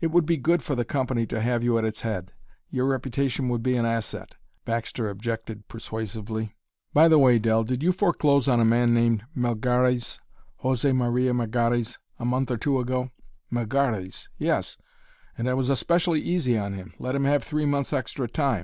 "It would be good for the company to have you at its head; your reputation would be an asset," Baxter objected persuasively. "By the way, Dell, did you foreclose on a man named Melgares, José Maria Melgares, a month or two ago?" "Melgares? Yes; and I was especially easy on him; let him have three months' extra time.